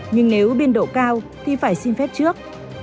nhưng nếu biên độ cao thì phải xin phép trước